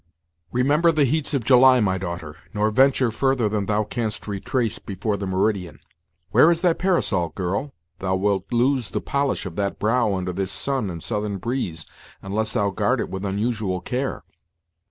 "Remember the heats of July, my daughter; nor venture further than thou canst retrace before the meridian. Where is thy parasol, girl? thou wilt lose tine polish of that brow, under this sun and southern breeze, unless thou guard it with unusual care."